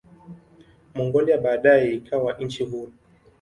Mongolia baadaye ikawa nchi huru.